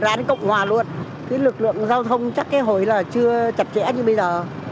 ra đến cộng hòa luôn thế lực lượng giao thông chắc cái hồi là chưa chặt chẽ như bây giờ